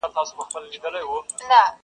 ټولنه ورو ورو بدلېږي لږ